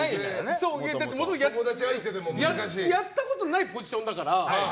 やったことないポジションだから。